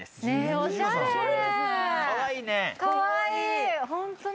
おしゃれ！